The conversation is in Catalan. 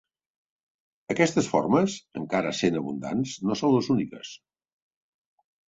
Aquestes formes, encara sent abundants, no són les úniques.